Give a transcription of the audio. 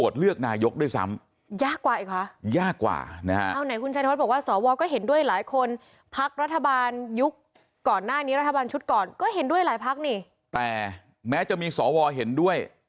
ยุคก่อนหน้านี้รัฐบาลชุดก่อนก็เห็นด้วยหลายพักนี่แต่แม้จะมีสอวอเห็นด้วย